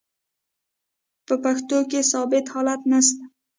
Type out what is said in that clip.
په پښتو کښي ثابت حالت نسته.